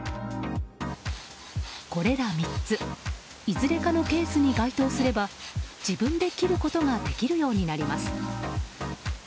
これら３ついずれかのケースに該当すれば自分で切ることができるようになります。